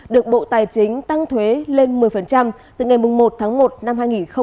được bộ tài chính tăng thuế lên một mươi từ ngày một tháng một năm hai nghìn hai mươi